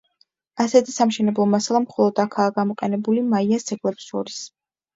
ასეთი სამშენებლო მასალა მხოლოდ აქაა გამოყენებული მაიას ძეგლებს შორის.